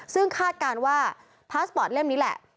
ซึ่งคาดการณ์ว่าพาสปอร์ตเล่มนี้แหละ